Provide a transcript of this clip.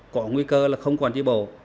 có nguy cơ là không còn trí bổ